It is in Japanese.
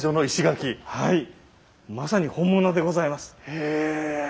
へえ！